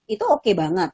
itu oke banget